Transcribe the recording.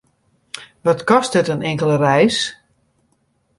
Wat kostet in inkelde reis?